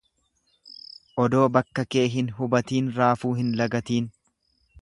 Odoo bakka kee hin hubatiin raafuu hin lagatiin.